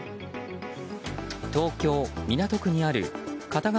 東京・港区にある片側